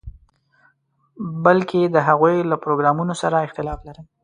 بلکې د هغوی له پروګرامونو سره اختلاف لرم.